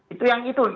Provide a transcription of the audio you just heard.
itu yang itu